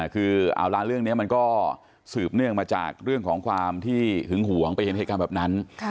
คือเอาละเรื่องนี้มันก็สืบเนื่องมาจากเรื่องของความที่หึงหวงไปเห็นเหตุการณ์แบบนั้น